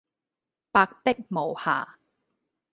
白璧無瑕